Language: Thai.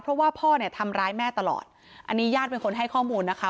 เพราะว่าพ่อเนี่ยทำร้ายแม่ตลอดอันนี้ญาติเป็นคนให้ข้อมูลนะคะ